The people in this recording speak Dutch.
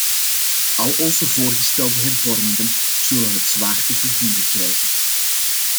Al onze voorgestelde hervormingen zullen het zwaar te verduren krijgen.